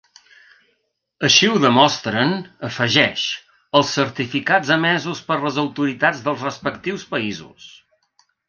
Així ho demostren, afegeix, “els certificats emesos per les autoritats dels respectius països”.